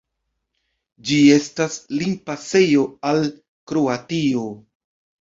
Ĝi estas limpasejo al Kroatio.